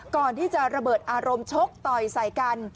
ก่อนที่จะระเบิดอารมณ์ชกต่อยใส่กัน